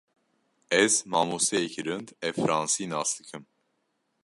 Ez mamosteyekî rind ê fransî nas dikim.